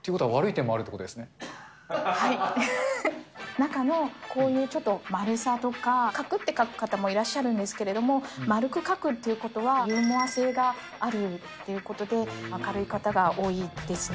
中のこういうちょっと丸さとか、かくって書く方もいらっしゃるんですけれども、丸く書くということは、ユーモア性があるっていうことで、明るい方が多いですね。